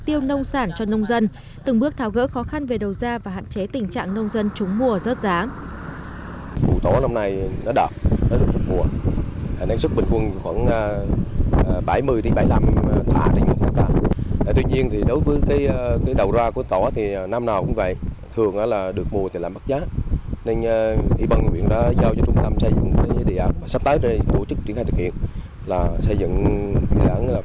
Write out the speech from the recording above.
tiêu nông sản cho nông dân từng bước tháo gỡ khó khăn về đầu ra và hạn chế tình trạng nông dân trúng mùa rớt ráng